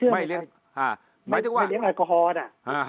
ไม่เลี้ยงหมายถึงว่าไม่เลี้ยงแอลกอฮอล์นะ